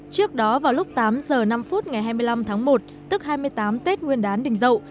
trước đó vào lúc tám giờ năm phút ngày hai mươi năm tháng một tức hai mươi tám tết nguyên đán đình dậu